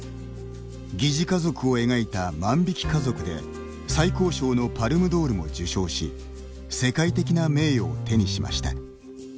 疑似家族を描いた「万引き家族」で最高賞のパルムドールも受賞し世界的な名誉を手にしました。